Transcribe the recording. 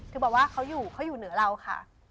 คือบอกว่าเขาอยู่เหนือเราค่ะ